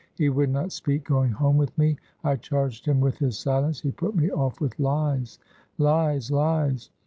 He would not speak going home with me. I charged him with his silence; he put me off with lies, lies, lies!